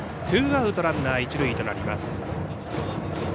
ツーアウトランナー、一塁となります。